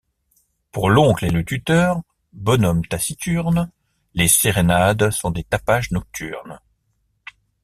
Pour l’oncle et le tuteur, bonshommes taciturnes, Les sérénades sont des tapages nocturnes.